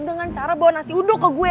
dengan cara bawa nasi uduk ke gue